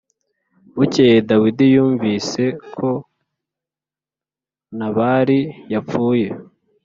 Bukeye Dawidi yumvise ko Nabali yapfuye